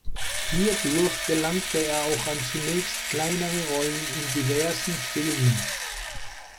Hierdurch gelangte er auch an zunächst kleinere Rollen in diversen Filmen.